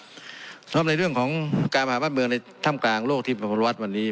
สำหรับในเรื่องของการมหาบ้านเมืองในถ้ำกลางโลกที่มหาบ้านวัดวันนี้